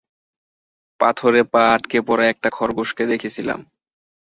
পাথরে পা আঁটকে পড়া একটা খরগোশকে দেখেছিলাম।